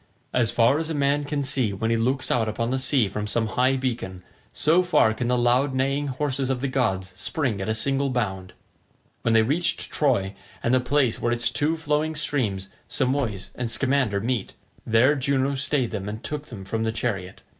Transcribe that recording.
As far as a man can see when he looks out upon the sea from some high beacon, so far can the loud neighing horses of the gods spring at a single bound. When they reached Troy and the place where its two flowing streams Simois and Scamander meet, there Juno stayed them and took them from the chariot.